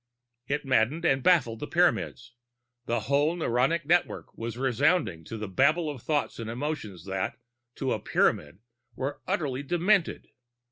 It maddened and baffled the Pyramids. The whole neuronic network was resounding to a babble of thoughts and emotions that, to a Pyramid, were utterly demented!